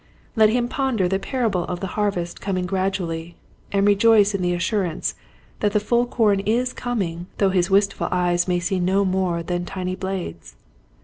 Let him ponder the parable of the harvest coming gradually, and rejoice in the assurance that the full corn is coming though his wistful eyes may see no more than tiny blades.